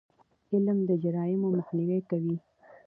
علم د جرایمو مخنیوی کوي.